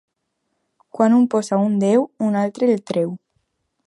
Quan un posa un déu, un altre el treu.